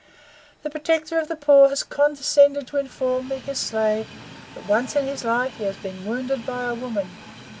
The Protector of the Poor has condescended to inform me, his slave, that once in his life he has been wounded by a woman.